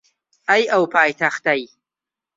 ئەی ئەو پایتەختەی